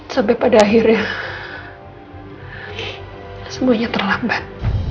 sampai pada akhirnya semuanya terlambat